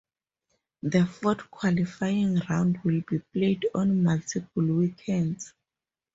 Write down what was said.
The fourth qualifying round will be played on multiple weekends.